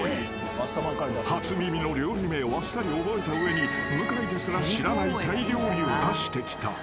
［初耳の料理名をあっさり覚えた上に向井ですら知らないタイ料理を出してきた］